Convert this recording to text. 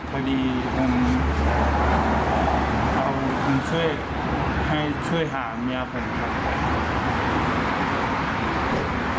พอดีคุณช่วยให้ช่วยหาแม่ผมค่ะ